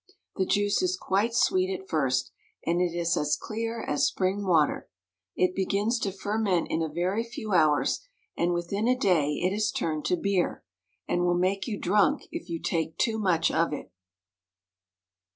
The juice is quite sweet at first, and it is as clear as spring water. It begins to ferment in a very few hours, and within a day it has turned to beer, and will make you drunk if you take too much of it.